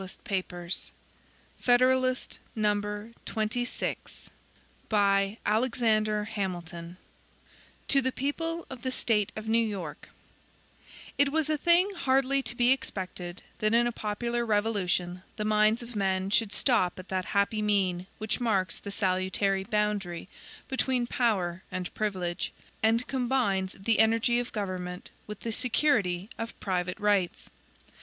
For the Independent Journal. Saturday, December 22, 1788 HAMILTON To the People of the State of New York: IT WAS a thing hardly to be expected that in a popular revolution the minds of men should stop at that happy mean which marks the salutary boundary between POWER and PRIVILEGE, and combines the energy of government with the security of private rights.